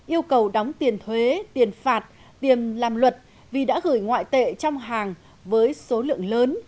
yêu cầu đóng tiền thuế tiền phạt tiền làm luật vì đã gửi ngoại tệ trong hàng với số lượng lớn